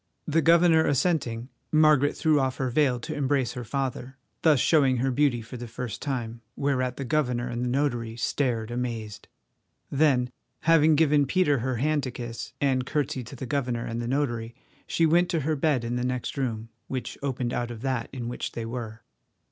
The governor assenting, Margaret threw off her veil to embrace her father, thus showing her beauty for the first time, whereat the governor and the notary stared amazed. Then having given Peter her hand to kiss, and curtseyed to the governor and the notary, she went to her bed in the next room, which opened out of that in which they were.